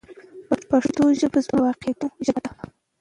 پښتو ژبه زموږ د واقعیتونو ژبه ده.